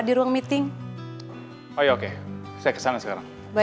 ya udah lain kali kalo jalan hati hati sayang ya